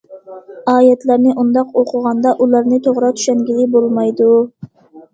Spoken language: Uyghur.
ئايەتلەرنى ئۇنداق ئوقۇغاندا، ئۇلارنى توغرا چۈشەنگىلى بولمايدۇ.